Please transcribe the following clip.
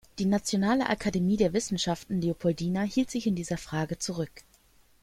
Die Nationale Akademie der Wissenschaften Leopoldina hielt sich in dieser Frage zurück.